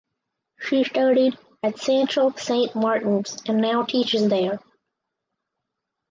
She studied at Central Saint Martins and now teaches there.